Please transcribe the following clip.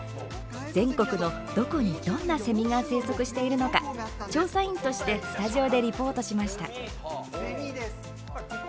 全国のどこにどんなセミが生息してるのか調査員としてスタジオでリポートしました。